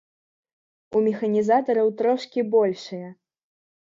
У механізатараў трошкі большыя.